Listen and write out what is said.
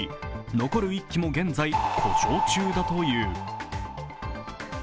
残る１基も現在故障中だという。